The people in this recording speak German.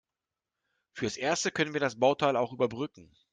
Fürs Erste können wir das Bauteil auch überbrücken.